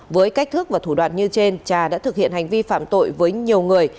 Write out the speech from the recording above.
với cách thức và thủ đoạn như trên trà đã thực hiện hành vi phạm tội với nhiều người